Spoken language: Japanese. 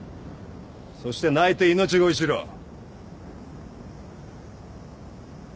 そして泣いて命乞いしろ。